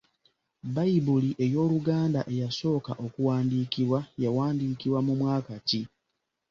Bbayibuli ey’Oluganda eyasooka okuwandiikibwa yawandiikibwa mu mwaka ki ?